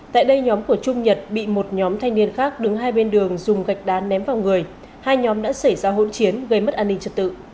tại đây nhóm của trung nhật bị một nhóm thanh niên khác đứng hai bên đường dùng gạch đá ném vào người hai nhóm đã xảy ra hỗn chiến gây mất an ninh trật tự